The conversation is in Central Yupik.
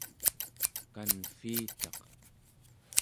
kanvviitaq